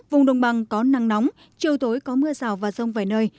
vùng đồng bằng có nắng nóng chiều tối có mưa rào và rông vài nơi